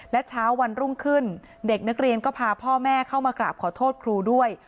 และเช้าวันรุ่งขึ้นเด็กนักเรียนก็พาพ่อแม่เข้ามากราบขอโทษครูด้วย